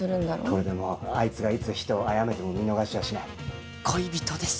「これでもうあいつがいつ人を殺めても見逃しはしない」「恋人です！」